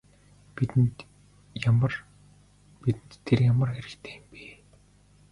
Бидэнд тэр ямар хэрэгтэй юм бэ?